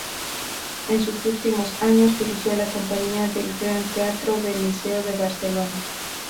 En sus últimos años dirigió la compañía del Gran Teatro del Liceo de Barcelona.